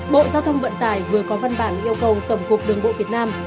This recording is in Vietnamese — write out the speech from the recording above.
bộ giao thông vận tải vừa có văn bản yêu cầu cầm cột đường bộ việt nam